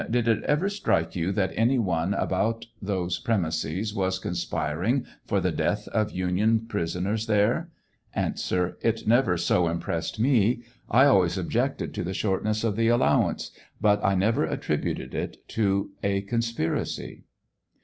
Did it ever Strike you that anyone about those premises was conspiring for the death of Union prisoners there ? A. It never so impressed me. I always objected to the shortness of the allowance, but I never attributed it to a conspiracy.